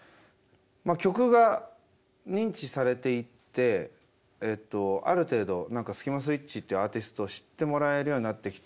まあ曲が認知されていってある程度スキマスイッチっていうアーティストを知ってもらえるようになってきて。